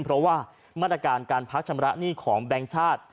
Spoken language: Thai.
เพราะว่ามาตรการการพักชำระหนี้ของแบงค์ชาติ